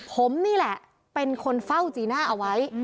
ผมนี่แหละเป็นคนเฝ้าจีน่าเอาไว้